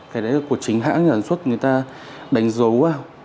cái đấy là của chính hãng sản xuất người ta đánh dấu vào